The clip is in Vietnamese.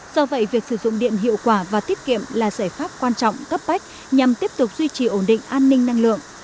do vậy việc sử dụng điện hiệu quả và tiết kiệm là giải pháp quan trọng cấp bách nhằm tiếp tục duy trì ổn định an ninh năng lượng